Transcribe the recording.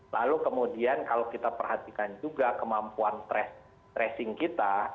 lalu kemudian kalau kita perhatikan juga kemampuan tracing kita